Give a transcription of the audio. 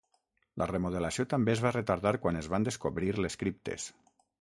La remodelació també es va retardar quan es van descobrir les criptes.